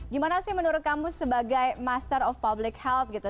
gimana sih menurut kamu sebagai master of public health gitu